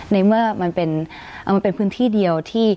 ในเมื่อมันเป็นพื้นที่เดียวที่